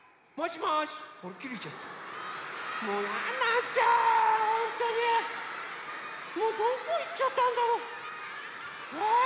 もうどこいっちゃったんだろう？え？